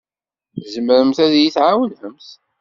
Tzemremt ad iyi-tɛawnemt?